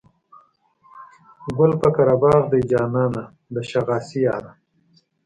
ګل پر قره باغ دی جانانه د شا غاسي یاره.